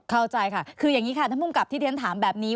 เข้าใจค่ะคืออย่างนี้ค่ะท่านภูมิกับที่เรียนถามแบบนี้